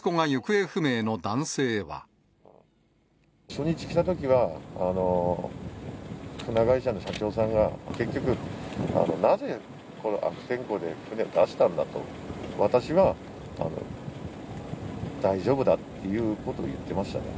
初日来たときは、船会社の社長さんが、結局、なぜこの悪天候で船を出したんだと、私は大丈夫だっていうことを言ってましたね。